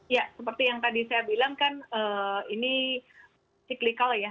ya seperti yang tadi saya bilang kan ini cyclical ya